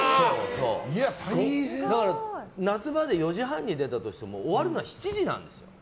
だから夏場で４時半に出たとしても終わるのは７時なんですよ。